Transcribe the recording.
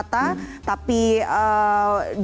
memastikan bahwa mereka yang namanya sudah ada mungkin